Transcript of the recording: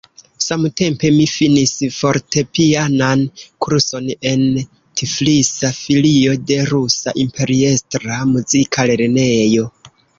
Samtempe mi finis fortepianan kurson en Tiflisa filio de "Rusa Imperiestra muzika lernejo".